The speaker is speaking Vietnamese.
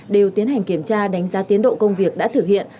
đều tiến hành kiểm tra đánh giá tiến độ công việc đã thực hiện